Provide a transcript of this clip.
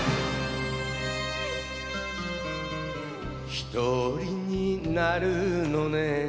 ひとりになるのね